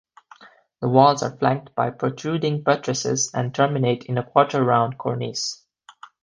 The walls are flanked by protruding buttresses and terminate in a quarter-round cornice.